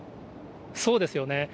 そうですよね。